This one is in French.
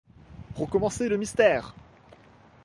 Recommencez le mystère!